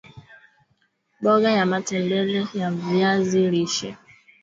mboga ya matembele ya viazi lishe